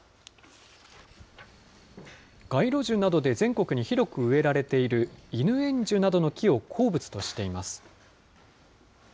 街路樹などで全国に広く植えられているイヌエンジュなどの木を好物としています。